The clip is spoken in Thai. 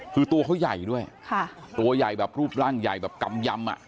คือตัวเขาใหญ่ด้วยตัวใหญ่แบบรูปร่างใหญ่แบบกำยำอ่ะ